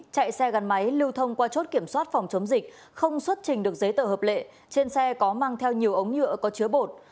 chạy xe gắn máy lưu thông qua chốt kiểm soát phòng chống dịch không xuất trình được giấy tờ hợp lệ trên xe có mang theo nhiều ống nhựa có chứa bột